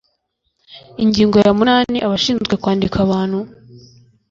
Ingingo ya munani Abashinzwe kwandika abantu